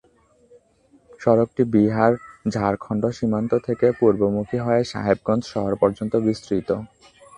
সড়কটি বিহার-ঝাড়খণ্ড সীমান্ত থেকে পূর্বমুখী হয়ে সাহেবগঞ্জ শহর পর্যন্ত বিস্তৃত।